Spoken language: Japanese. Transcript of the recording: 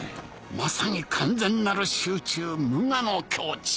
まさに完全なる集中無我の境地。